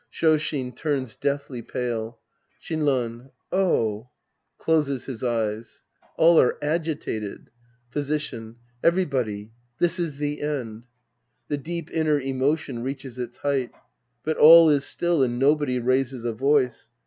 Shoshin turns deathly pale^ Shinran. Oh. {Closes his eyes.) {All are agitated^ Physician. Everybody, this is the end. {The deep imier emotion reaches its height. But all is still and nobody raises a voice.